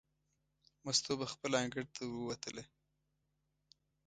مستو پخپله انګړ ته ووتله.